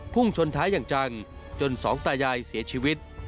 ชนท้ายอย่างจังจนสองตายายเสียชีวิต